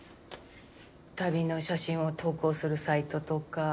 旅の写真を投稿するサイトとか。